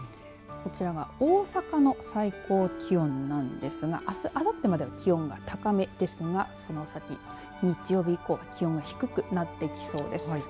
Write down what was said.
こちらは大阪の最高気温なんですがあす、あさってまでは気温が高めですがその先、日曜日以降気温が低くなってきそうです。